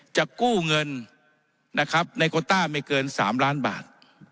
จะกู้เงินในโกต้าไม่เกิน๓ล้านบาท